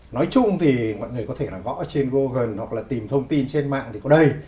nói chung thì mọi người có thể gõ trên google hoặc là tìm thông tin trên mạng thì có đầy